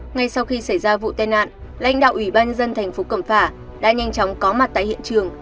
ngay sau khi xảy ra vụ tai nạn lãnh đạo ủy ban nhân dân thành phố cẩm phả đã nhanh chóng có mặt tại hiện trường